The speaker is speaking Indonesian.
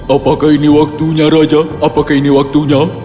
apakah ini waktunya raja apakah ini waktunya